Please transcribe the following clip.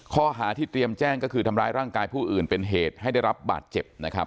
ข้อหาที่เตรียมแจ้งก็คือทำร้ายร่างกายผู้อื่นเป็นเหตุให้ได้รับบาดเจ็บนะครับ